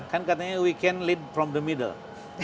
kan katanya kita bisa memimpin dari tengah